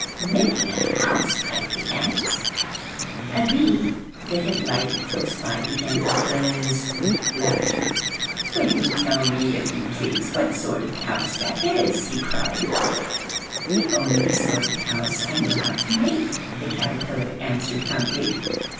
''Making a house!'' cried the ant. A bee that had lighted close by began to buzz with laughter. "Will you tell me, if you please, what sort of a house that is?" he cried. "The only sort of house I know how to make," the caterpillar answered humbly.